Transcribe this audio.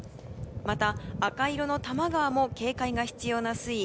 また、赤色の玉川も警戒が必要な水位。